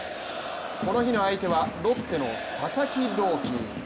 この日の相手はロッテの佐々木朗希。